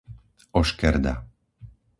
Oškerda